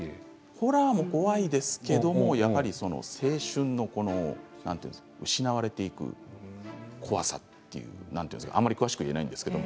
ホラーも怖いですけれども青春の失われていく怖さというあまり詳しくは言えないんですけど。